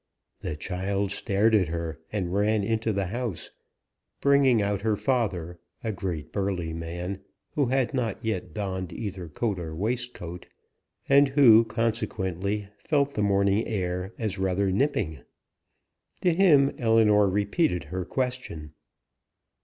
The child stared at her, and ran into the house, bringing out her father, a great burly man, who had not yet donned either coat or waistcoat, and who, consequently, felt the morning air as rather nipping. To him Ellinor repeated her question.